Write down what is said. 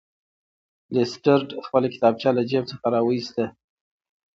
لیسټرډ خپله کتابچه له جیب څخه راویسته.